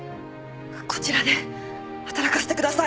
こちらで働かせてください